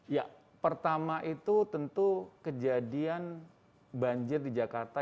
ya pertama itu tentu kejadian banjir di jakarta